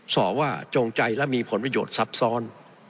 สอบว่าจงใจและมีผลประโยชน์ซับซ้อน